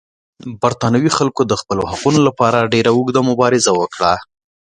برېټانوي خلکو د خپلو حقونو لپاره ډېره اوږده مبارزه وکړه.